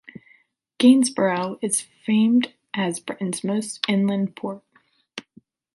Gainsborough is famed as Britain's most inland port.